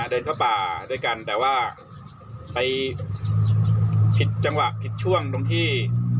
เดินเข้าป่าด้วยกันแต่ว่าไปผิดจังหวะผิดช่วงตรงที่